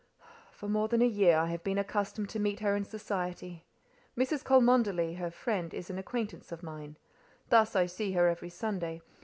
"For more than a year I have been accustomed to meet her in society. Mrs. Cholmondeley, her friend, is an acquaintance of mine; thus I see her every Sunday.